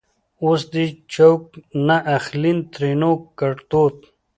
اوس دې چوک نه اخليں؛ ترينو ګړدود